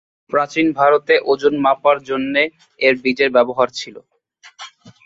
প্রাচীন ভারতে ওজন মাপার জন্যে এর বীজের ব্যবহার ছিল।